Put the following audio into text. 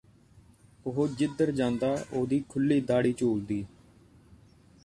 ਉਹ ਜਿਧਰ ਜਾਂਦਾ ਉਹਦੀ ਖੁੱਲ੍ਹੀ ਦਾੜ੍ਹੀ ਝੂਲਦੀ